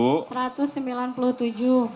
seratus sembilan puluh tujuh